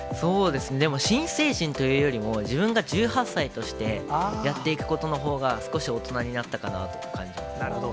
でも新成人というよりも自分が１８歳としてやっていくことのほうが少し大人にななるほど。